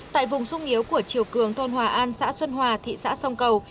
tại vùng xung yếu của triều cường tôn hòa an xã xuân hòa thị xã sông cầu